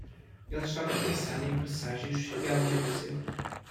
Ele estava pensando em presságios e alguém apareceu.